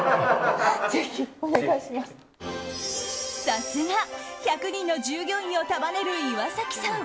さすが１００人の従業員を束ねる岩崎さん。